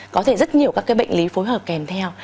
có thể rất nhiều các bệnh lý phối hợp kèm theo